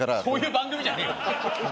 そういう番組じゃねえよ。